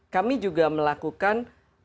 kami juga melakukan